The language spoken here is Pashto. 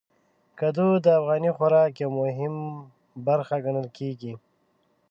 کدو د افغاني خوراک یو مهم برخه ګڼل کېږي.